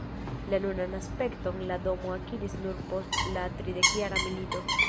La nunan aspekton la domo akiris nur post la Tridekjara milito.